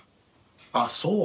あっそう。